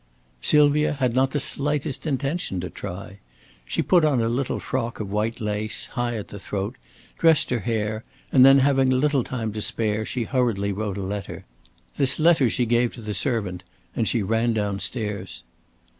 Sylvia had not the slightest intention to try. She put on a little frock of white lace, high at the throat, dressed her hair, and then having a little time to spare she hurriedly wrote a letter. This letter she gave to the servant and she ran down stairs.